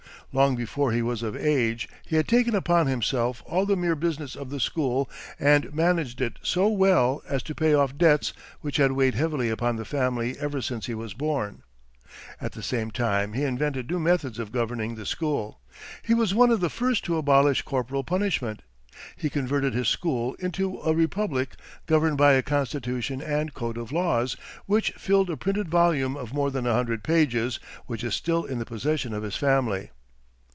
Long before he was of age he had taken upon himself all the mere business of the school, and managed it so well as to pay off debts which had weighed heavily upon the family ever since he was born. At the same time he invented new methods of governing the school. He was one of the first to abolish corporal punishment. He converted his school into a republic governed by a constitution and code of laws, which filled a printed volume of more than a hundred pages, which is still in the possession of his family.